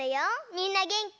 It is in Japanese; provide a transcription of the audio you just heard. みんなげんき？